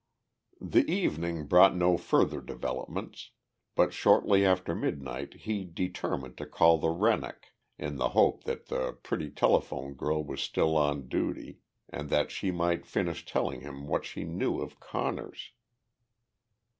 The evening brought no further developments, but shortly after midnight he determined to call the Rennoc, in the hope that the pretty telephone girl was still on duty and that she might finish telling him what she knew of Conner's.